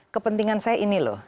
kepentingan saya ini loh